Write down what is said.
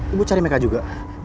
ibu cari mereka juga